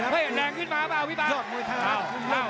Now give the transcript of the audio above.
เห็นแรงขึ้นเปล่าหรือเปล่า